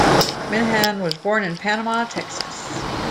Minihan was born in Pampa, Texas.